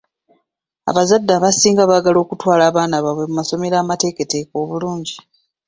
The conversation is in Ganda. Abazadde abasinga baagala okutwala abaana baabwe mu masomero amateeketeeke obulungi.